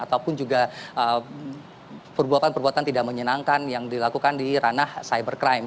ataupun juga perbuatan perbuatan tidak menyenangkan yang dilakukan di ranah cybercrime